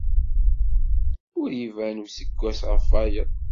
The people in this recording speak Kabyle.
Ur iban useggas ɣef wayeḍ.